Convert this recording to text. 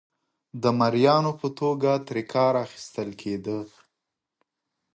د مریانو په توګه ترې کار اخیستل کېده.